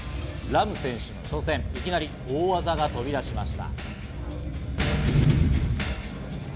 Ｒａｍ選手の初戦、いきなり大技が飛び出しました。